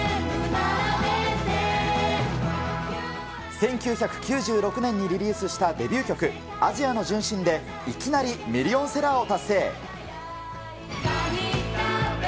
１９９６年にリリースしたデビュー曲、アジアの純真でいきなりミリオンセラーを達成。